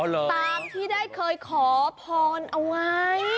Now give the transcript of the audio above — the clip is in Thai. ตามที่ได้เคยขอพรเอาไว้